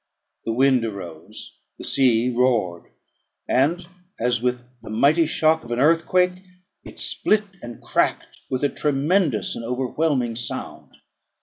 The wind arose; the sea roared; and, as with the mighty shock of an earthquake, it split, and cracked with a tremendous and overwhelming sound.